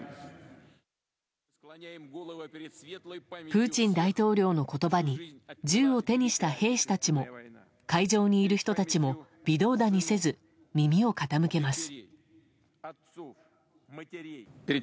プーチン大統領の言葉に銃を手にした兵士たちも会場にいる人たちも微動だにせず耳を傾けます。